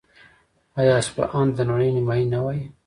آیا اصفهان ته د نړۍ نیمایي نه وايي؟